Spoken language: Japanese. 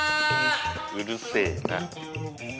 うるせえな。